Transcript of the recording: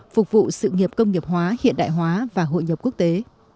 phục vụ sự nghiệp công nghiệp hóa hiện đại hóa và hội nhập quốc tế